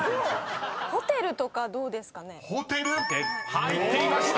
［入っていました！